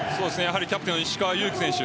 キャプテン石川祐希選手